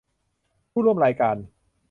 ผู้ร่วมรายการ